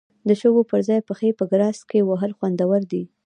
د شګو پر ځای پښې په ګراس کې وهل خوندور دي.